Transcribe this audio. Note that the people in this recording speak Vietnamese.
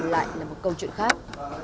lại là một câu chuyện khác